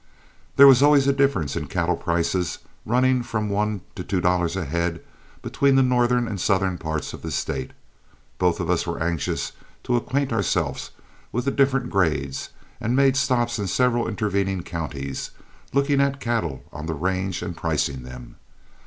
There was always a difference in cattle prices, running from one to two dollars a head, between the northern and southern parts of the State. Both of us were anxious to acquaint ourselves with the different grades, and made stops in several intervening counties, looking at cattle on the range and pricing them.